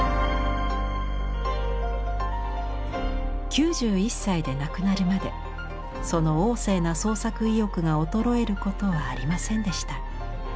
９１歳で亡くなるまでその旺盛な創作意欲が衰えることはありませんでした。